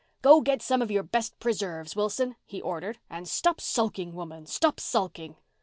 "Go, get some of your best preserves, Wilson," he ordered, "and stop sulking, woman, stop sulking.